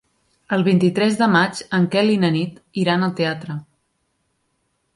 El vint-i-tres de maig en Quel i na Nit iran al teatre.